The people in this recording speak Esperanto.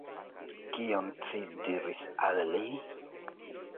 Kion ci diris al li?